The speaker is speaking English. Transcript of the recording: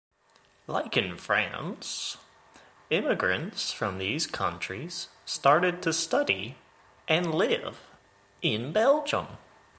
Like in France, immigrants from these countries started to study and live in Belgium.